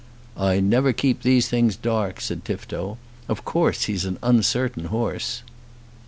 "I never keep these things dark," said Tifto. "Of course he's an uncertain horse."